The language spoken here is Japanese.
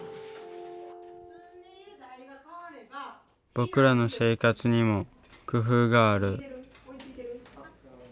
僕らの生活にも工夫がある。